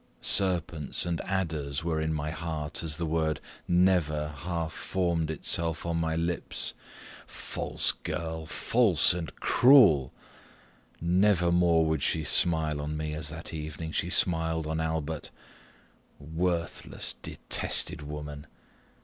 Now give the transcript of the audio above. Serpents and adders were in my heart as the word "Never!" half formed itself on my lips. False girl! false and cruel! Never more would she smile on me as that evening she smiled on Albert. Worthless, detested woman!